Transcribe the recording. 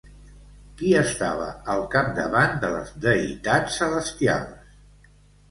Qui estava al capdavant de les deïtats celestials?